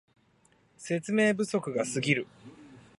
説明不足がすぎる